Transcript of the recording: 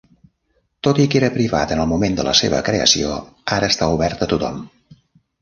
Tot i que era privat en el moment de la seva creació, ara està obert a tothom.